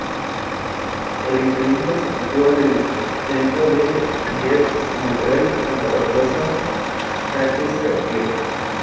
Destaca sobre todo la atención prestada a los arcaísmos y los tecnicismos.